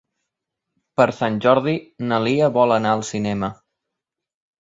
Per Sant Jordi na Lia vol anar al cinema.